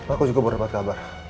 aku juga baru dapat kabar